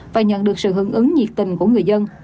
và nhận được sự hưởng ứng nhiệt tình của người dân